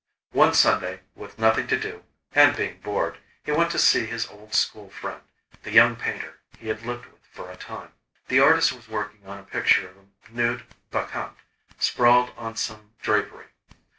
One Sunday, with nothing to do and being bored, he went to see his old school friend, the young painter he had lived with for a time. The artist was working on a picture of a nude Bacchante sprawled on some drapery.